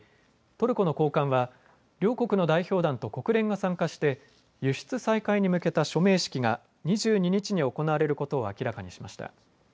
トルコの高官は両国の代表団と国連が参加して輸出再開に向けた署名式が２２日に行われることを明らかにしました。